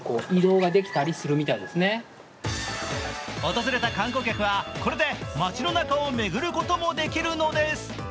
訪れた観光客は、これで街の中を巡ることもできるのです。